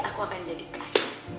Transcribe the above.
aku akan jadikan